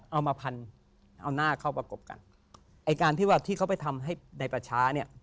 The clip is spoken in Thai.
เอามาพันเอาหน้าเข้าประกบกันไอ้การที่ว่าที่เขาไปทำให้ในประชาเนี่ย